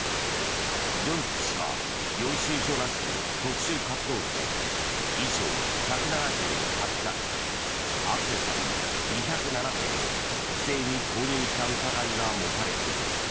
ジョンスク氏は領収書なしの特殊活動費で衣装１７８着アクセサリー２０７点を不正に購入した疑いが持たれている。